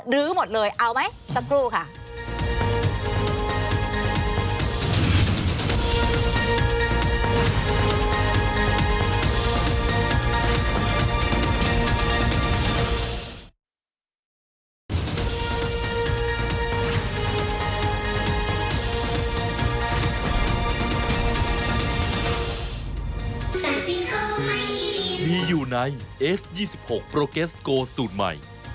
หมดเลยเอาไหมสักครู่ค่ะ